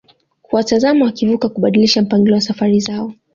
kuwatazama wakivuka kubadilisha mpangilio wa safari zao